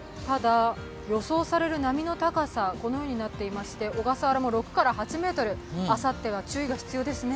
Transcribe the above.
予想される波の高さはこのようになっていまして、小笠原も６８ｍ、あさっては注意が必要ですね。